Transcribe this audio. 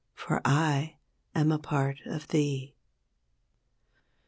For I am a part of thee.